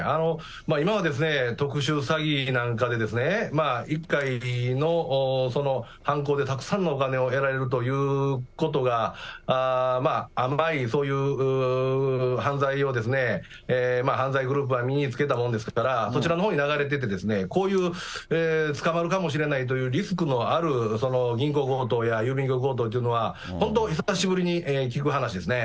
今は特殊詐欺なんかで、１回の犯行でたくさんのお金が得られるということが、そういう犯罪を、犯罪グループが身につけたもんですから、こちらのほうに流れてて、こういう捕まるかもしれないっていうリスクのある銀行強盗や郵便局強盗というのは、本当久しぶりに聞く話ですね。